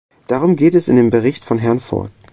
Darum geht es in dem Bericht von Herrn Ford.